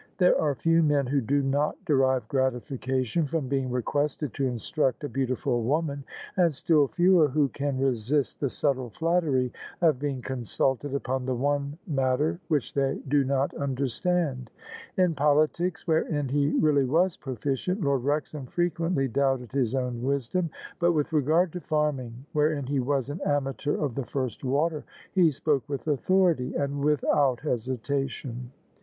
There are few men who do not derive gratification from being requested to instruct a beauti ful woman and still fewer who can resist the subtle flattery of being consulted upon the one matter which they do not understand. In politics — ^wherein he really was proficient — Lord Wrexham frequently doubted his own wisdom: but with regard to farming — wherein he was an amateur of the first water — ^he spoke with authority and without hesitation.